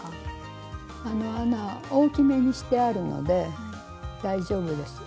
あの穴大きめにしてあるので大丈夫です。